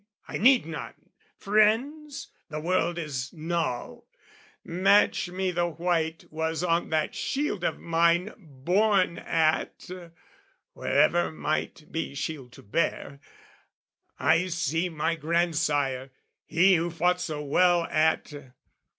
I need none 'Friends?' The word is null. "Match me the white was on that shield of mine "Borne at"...wherever might be shield to bear; "I see my grandsire, he who fought so well "At"...